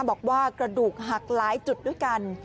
บอกว่ากระดูกหักหลายจุดด้วยกัน